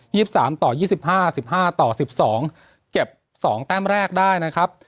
สิบสามต่อยี่สิบห้าสิบห้าต่อสิบสองเก็บสองแต้มแรกได้นะครับ